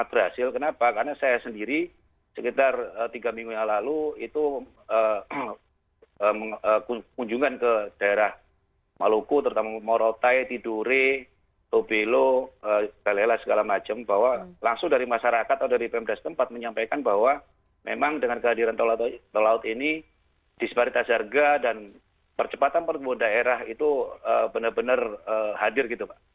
percepatan pertumbuhan daerah itu benar benar hadir gitu pak